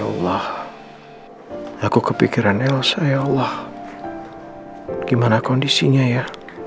ya allah aku kepikiran elsa ya allah gimana kondisinya ya